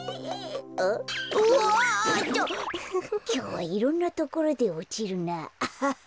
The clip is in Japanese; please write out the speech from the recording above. きょうはいろんなところでおちるなあ。